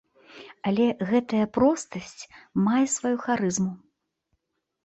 Але гэтая простасць мае сваю харызму.